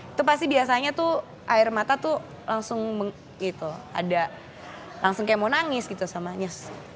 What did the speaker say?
itu pasti biasanya tuh air mata tuh langsung gitu ada langsung kayak mau nangis gitu sama news